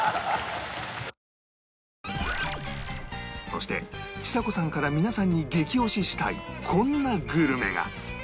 そしてちさ子さんから皆さんに激推ししたいこんなグルメが